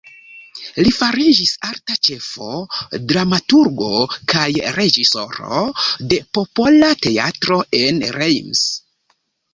Li fariĝis arta ĉefo, dramaturgo kaj reĝisoro de Popola teatro en Reims.